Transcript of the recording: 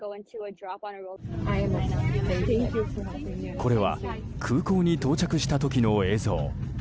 これは空港に到着した時の映像。